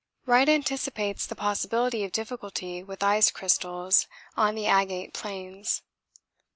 Wright anticipates the possibility of difficulty with ice crystals on the agate planes.